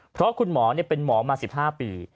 เพราะคุณหมอเป็นหมอมา๑๕ปี